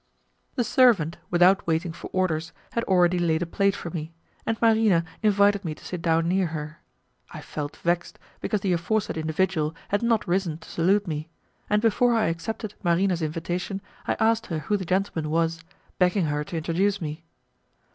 The servant, without waiting for orders, had already laid a plate for me, and Marina invited me to sit down near her. I felt vexed, because the aforesaid individual had not risen to salute me, and before I accepted Marina's invitation I asked her who the gentleman was, begging her to introduce me.